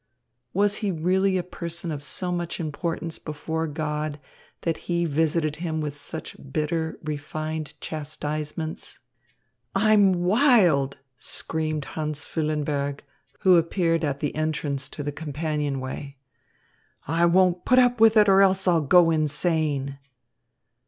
Was he really a person of so much importance before God that He visited him with such bitter, refined chastisements? "I'm wild!" screamed Hans Füllenberg, who appeared at the entrance to the companionway. "I won't put up with it, or else I'll go insane."